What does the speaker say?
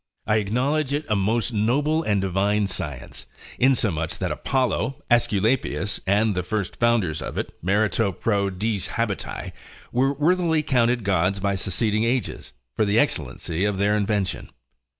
I acknowledge it a most noble and divine science, in so much that Apollo, Aesculapius, and the first founders of it, merito pro diis habiti, were worthily counted gods by succeeding ages, for the excellency of their invention.